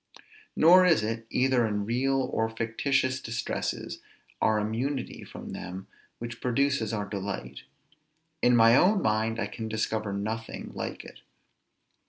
Nor is it, either in real or fictitious distresses, our immunity from them which produces our delight; in my own mind I can discover nothing like it.